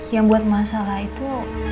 yang buat masalah itu